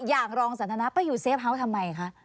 อย่างรองสันทนาไปอยู่เซฟเฮาส์ทำไมคะ